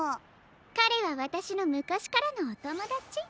かれはわたしのむかしからのおともだち。